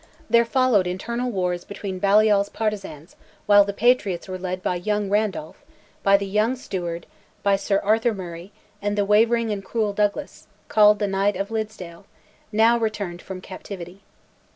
There followed internal wars between Balliol's partisans, while the patriots were led by young Randolph, by the young Steward, by Sir Andrew Murray, and the wavering and cruel Douglas, called the Knight of Liddesdale, now returned from captivity.